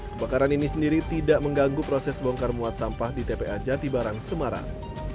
kebakaran ini sendiri tidak mengganggu proses bongkar muat sampah di tpa jati barang semarang